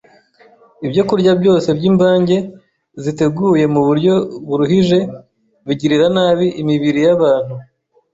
Ibyokurya byose by’imvange ziteguye mu buryo buruhije bigirira nabi imibiri y’abantu.